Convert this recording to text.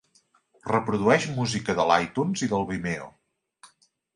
Reprodueix música de l'iTunes i del Vimeo